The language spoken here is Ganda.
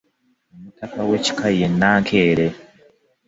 Omutaka w’ekika ye Nankere.